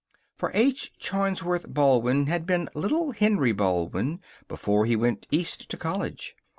For H. Charnsworth Baldwin had been little Henry Baldwin before he went East to college.